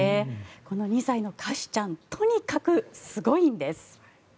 この２歳のカシュちゃんとにかくすごいんです。